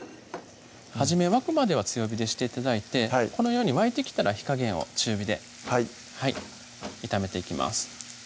初め沸くまでは強火でして頂いてこのように沸いてきたら火加減を中火ではいはい炒めていきます